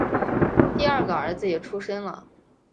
第二个儿子也出生了